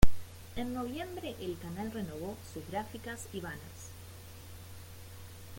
En noviembre, el canal renovó sus gráficas y banners.